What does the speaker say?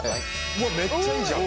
わっめっちゃいいじゃん。